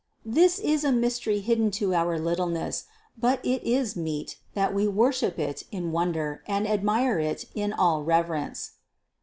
This is a mystery hidden to our littleness ; but it is meet, that we worship it in wonder and admire it in all reverence.